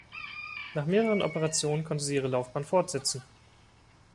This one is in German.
Nach mehreren Operationen konnte sie ihre Laufbahn fortsetzen.